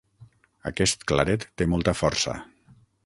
Aquest claret té molta força.